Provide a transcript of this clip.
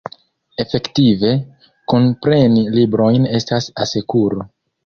Efektive, kunpreni librojn estas asekuro.